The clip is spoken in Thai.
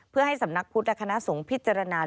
เพื่อให้สำนักพุทธและคณะสงฆ์พิจารณา